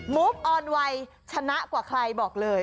มุฟออนไวชนะกว่าใครบอกเลย